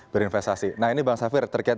berinvestasi nah ini bang safir terkait